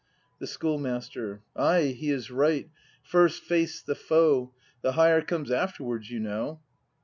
The Schoolmaster. Ay, he is right; first face the foe; The hire comes afterwards, you know.